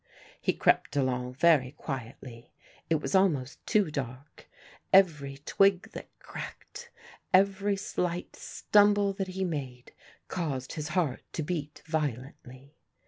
He crept along very quietly; it was almost too dark; every twig that cracked, every slight stumble that he made caused his heart to beat violently.